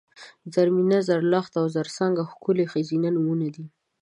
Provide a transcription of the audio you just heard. زرمېنه ، زرلښته او زرڅانګه ښکلي ښځینه نومونه دي